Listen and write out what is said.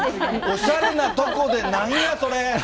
おしゃれなとこでなんや、それ。